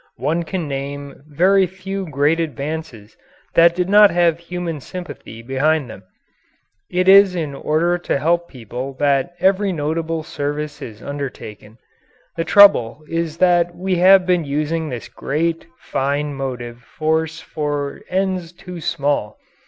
One can name very few great advances that did not have human sympathy behind them. It is in order to help people that every notable service is undertaken. The trouble is that we have been using this great, fine motive force for ends too small.